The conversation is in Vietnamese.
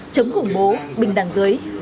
chống khủng bố bình đẳng giới